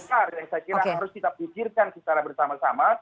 besar yang saya kira harus kita pikirkan secara bersama sama